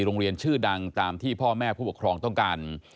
โรงเรียนชื่อดังตามที่พ่อแม่ผู้ปกครองต้องการ